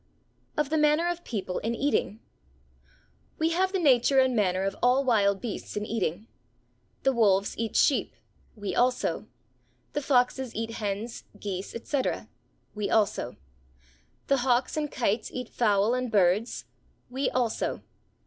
Of the Manner of People in Eating. We have the nature and manner of all wild beasts in eating. The wolves eat sheep; we also. The foxes eat hens, geese, etc.; we also. The hawks and kites eat fowl and birds; we also.